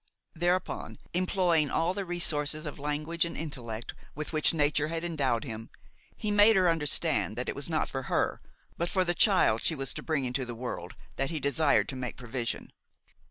Thereupon, employing all the resources of language and intellect with which nature had endowed him, he made her understand that it was not for her, but for the child she was to bring into the world, that he desired to make provision.